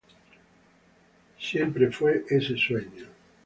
Siempre fue ese sueño".